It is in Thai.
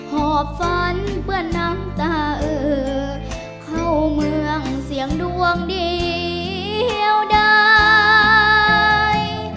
หอบฝันเปื้อนน้ำตาเออเข้าเมืองเสียงดวงเดียวได้